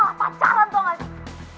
dia malah pacaran tau nggak